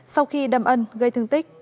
sau khi đâm ân gây thương tích